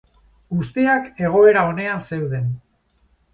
Guztiak egoera onean zeuden.